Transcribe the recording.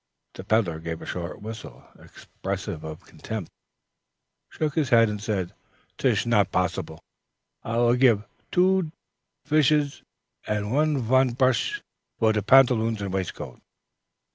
The peddler gave a short whistle expressive of contempt, shook his head, and said, "Tish not possibles. I will give two pishers and von prush for te pantaloon and waistcoat."